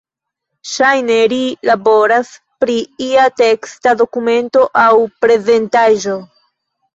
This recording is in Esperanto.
Ŝajne ri laboras pri ia teksta dokumento aŭ prezentaĵo.